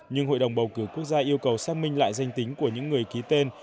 nhưng hội đồng bầu cử quốc gia yêu cầu xác minh lại danh tính của những người ký tên